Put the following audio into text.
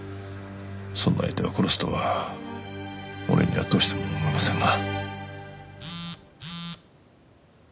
そんな相手を殺すとは俺にはどうしても思えませんが。